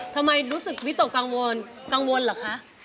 ทำไมรู้สึกวิตรกังวลล่ะคะ